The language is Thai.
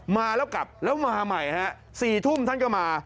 มาแล้วกลับแล้วมาใหม่ฮะ๔ทุ่มท่านก็มา